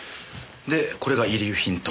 でこれが遺留品と。